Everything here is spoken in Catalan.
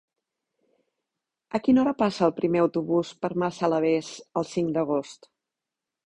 A quina hora passa el primer autobús per Massalavés el cinc d'agost?